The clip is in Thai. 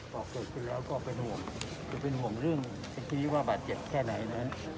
ว่ากดสุดแล้วก็เป็นห่วงหนึ่งเป็นคิดว่าบัตรเจ็บแค่ไหนนะ